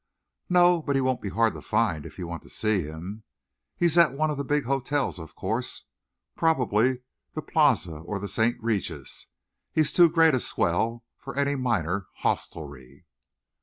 "No, but he won't be hard to find, if you want to see him. He's at one of the big hotels, of course probably the Plaza or the St. Regis. He's too great a swell for any minor hostelry."